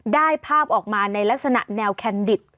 ได้ภาพออกมาในลักษณะแนวแคนดิต